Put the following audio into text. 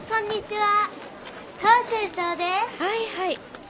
はいはい。